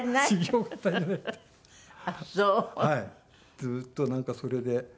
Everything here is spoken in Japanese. ずっとなんかそれで。